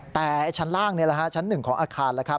แต่ชั้นล่างชั้น๑ของอาคาร